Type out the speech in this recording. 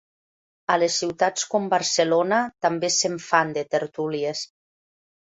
A les ciutats com Barcelona també se'n fan, de tertúlies.